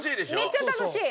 めっちゃ楽しい。